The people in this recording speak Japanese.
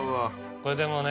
これでもね